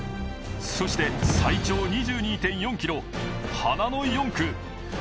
そして最長２２．４ｋｍ、花の４区。